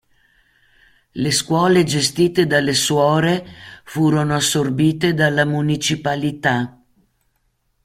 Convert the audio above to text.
Le scuole gestite dalle suore furono assorbite dalla municipalità.